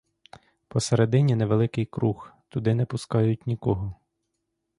Посередині невеликий круг, туди не пускають нікого.